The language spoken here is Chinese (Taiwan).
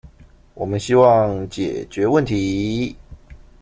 我們希望解決問題